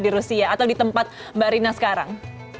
di rusia atau di tempat mbak rina sekarang